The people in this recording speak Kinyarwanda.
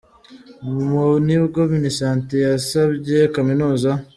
Mu nibwo Minisante yasabye Kaminuza.